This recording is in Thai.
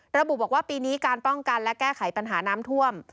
ระบุบอกว่าปีนี้การป้องกันและแก้ไขปัญหาน้ำท่วม